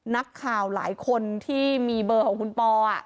นักข่าวหลายคนที่มีเบอร์ของคุณปอ